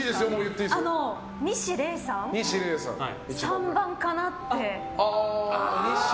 西レイさん、３番かなって。